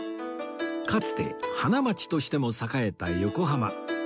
かつて花街としても栄えた横浜